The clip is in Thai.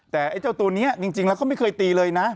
แต่ไอ้เจ้าตัวนี้จริงแล้วเขาไม่เคยตีเลยนะ